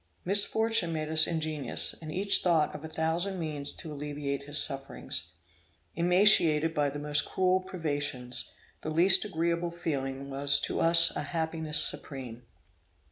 Misfortune made us ingenious, and each thought of a thousand means to alleviate his sufferings. Emaciated by the most cruel privations, the least agreeable feeling was to us a happiness supreme.